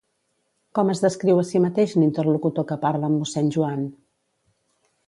Com es descriu a si mateix l'interlocutor que parla amb mossèn Joan?